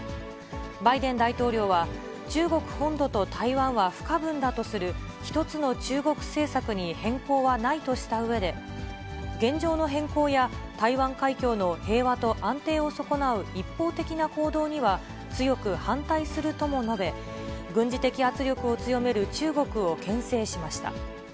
バイデン大統領は、中国本土と台湾は不可分だとする、１つの中国政策に変更はないとしたうえで、現状の変更や、台湾海峡の平和と安定を損なう一方的な行動には、強く反対するとも述べ、軍事的圧力を強める中国をけん制しました。